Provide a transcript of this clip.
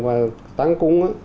và tăng cúng